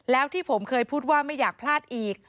แล้วที่ผมเคยพูดว่าไม่อยากพลาดอีก